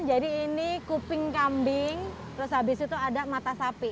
jadi ini kuping kambing terus habis itu ada mata sapi